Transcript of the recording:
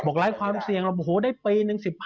บอกแล้วความเสี่ยงโอ้โหได้ปี๑๕